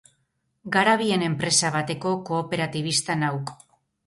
Garabien enpresa bateko kooperatibista nauk.